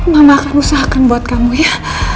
mama akan usahakan buat kamu ya